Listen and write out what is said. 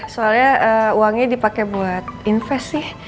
soalnya uangnya dipakai buat invest sih